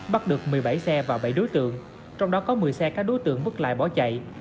bắt được một mươi bảy xe và bảy đối tượng trong đó có một mươi xe các đối tượng bất lại bỏ chạy